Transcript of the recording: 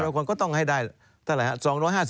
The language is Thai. ๕๐๐คนก็ต้องให้ได้เท่าไหร่ฮะ